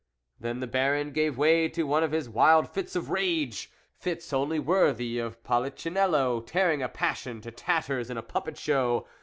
Then the Baron gave way to one of his wild fits of rage, fits only worthy o Polichinello tearing a passion to tatters in a puppet show.